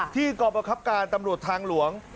กรประคับการตำรวจทางหลวง